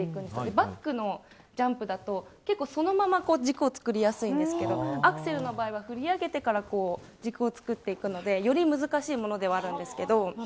バックのジャンプだとそのまま軸をつくりやすいんですけどアクセルの場合は振り上げて軸をつくり上げていくのでより難しいものではあります。